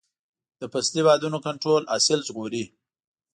د فصلي بادونو کنټرول حاصل ژغوري.